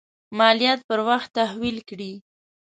مالیات پر وخت تحویل کړي.